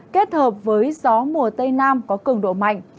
kết hợp với gió mùa tây nam có cường độ mạnh